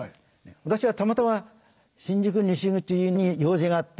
私はたまたま新宿西口に用事があってそこに行きました。